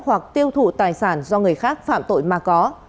hoặc tiêu thụ tài sản do người khác phạm tội mà có